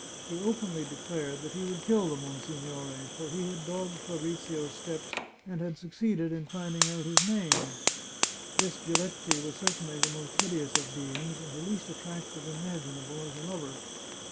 He openly declared that he would kill the monsignore, for he had dogged Fa brizio's steps, and had succeeded in finding out his name. 156 The Chartreuse of Parma This Giletti was certainly the most hideous of beings, and the least attractive imaginable as a lover.